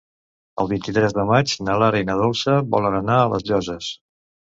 El vint-i-tres de maig na Lara i na Dolça volen anar a les Llosses.